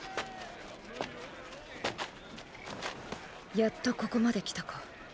やっとここまで来たか。